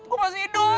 gue masih hidup